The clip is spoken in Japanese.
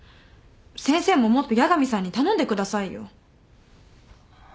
先生ももっと八神さんに頼んでくださいよ。